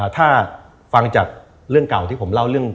ถ้าฟังจากเรื่องเก่าที่ผมเล่าเรื่อง